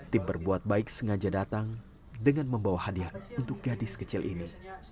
tim berbuat baik sengaja datang dengan membawa hadiah untuk gadis kecil ini